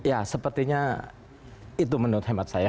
ya sepertinya itu menurut hemat saya